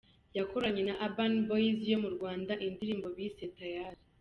Yakoranye na Urban Boyz yo mu Rwanda indirimbo bise ‘Tayali’.